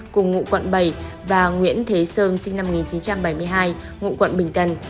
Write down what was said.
cùng ngụ quận bảy và nguyễn thế sơn sinh năm một nghìn chín trăm bảy mươi hai ngụ quận bình tân